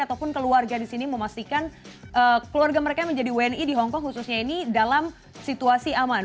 ataupun keluarga di sini memastikan keluarga mereka yang menjadi wni di hongkong khususnya ini dalam situasi aman